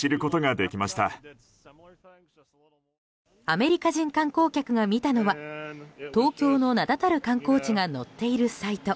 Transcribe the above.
アメリカ人観光客が見たのは東京の名だたる観光地が載っているサイト。